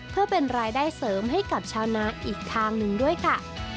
เพื่อเป็นรายได้เสริมให้กับชาวนาอีกทางหนึ่งด้วยค่ะ